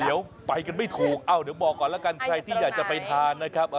เดี๋ยวไปกันไม่ถูกเอ้าเดี๋ยวบอกก่อนแล้วกันใครที่อยากจะไปทานนะครับ